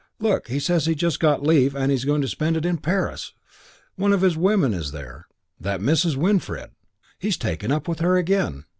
Look, he says he's just got leave and he's going to spend it in Paris! One of his women is there. That Mrs. Winfred. He's taken up with her again.